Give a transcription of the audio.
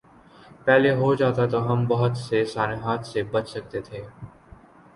پہلے ہو جاتا تو ہم بہت سے سانحات سے بچ سکتے تھے۔